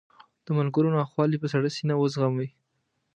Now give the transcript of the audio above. د ملګرو ناخوالې په سړه سینه وزغمي.